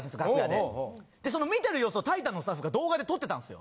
でその見てる様子をタイタンのスタッフが動画で撮ってたんですよ。